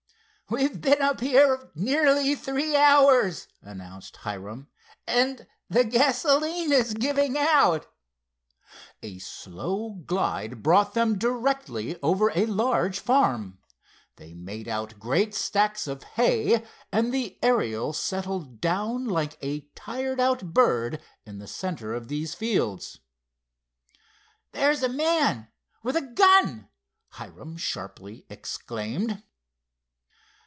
"We've been up here nearly three hours," announced Hiram, "and the gasoline is giving out." A slow glide brought them directly over a large farm. They made out great stacks of hay, and the Ariel settled down like a tired out bird in the center of these fields. "There's a man—with a gun!" Hiram sharply exclaimed.